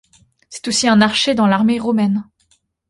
C'est aussi un archer dans l'armée romaine.